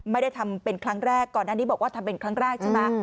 ไม่ได้ทำเป็นครั้งแรกก่อนอันนี้บอกว่าทำเป็นครั้งแรกใช่ไหม